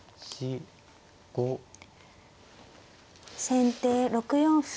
先手６四歩。